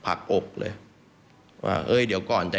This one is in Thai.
ฟังเสียงอาสามูลละนิทีสยามร่วมใจ